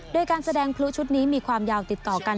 โดยการแสดงพลุชุดนี้มีความยาวติดต่อกัน